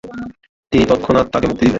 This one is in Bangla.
তিনি তৎক্ষণাৎ তাকে মুক্তি দিলেন।